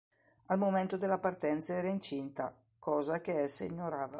Al momento della partenza era incinta, cosa che essa ignorava.